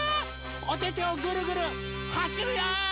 おててをぐるぐるはしるよ！